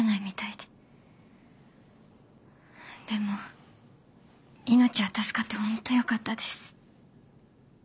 でも命は助かって本当よかったです。